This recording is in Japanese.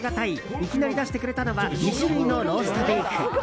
いきなり出してくれたのは２種類のローストビーフ。